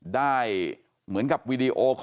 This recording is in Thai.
ได้เหมือนกับวีดีโอคอล